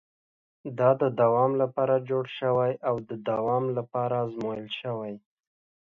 دا د دوام لپاره جوړ شوی او د دوام لپاره ازمول شوی.